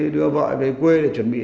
đưa vợ về quê chuẩn bị